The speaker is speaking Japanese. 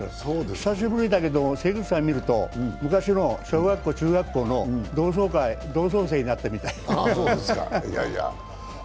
久しぶりだけど関口さんを見ると昔の小学校、中学校の同窓生になったみたい。